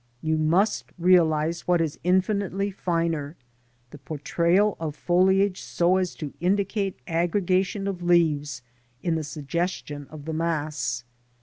You must realise what is infinitely finer — the portrayal of foliage so as to indicate aggregation of leaves in the suggestion of the mass.